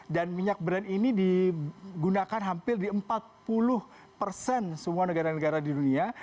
dan minyak brand ini digunakan hampir di empat puluh persen semua negara negara di dunia